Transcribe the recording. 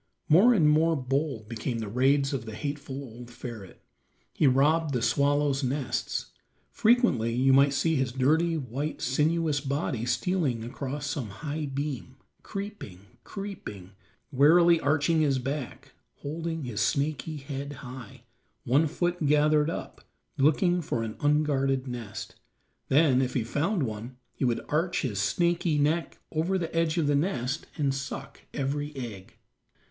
More and more bold became the raids of the hateful old ferret. He robbed the swallows' nests; frequently you might see his dirty white, sinuous body stealing across some high beam, creeping, creeping, warily arching his back, holding his snaky head high, one foot gathered up, looking for an unguarded nest; then, if he found one, he would arch his snaky neck over the edge of the nest and suck every egg.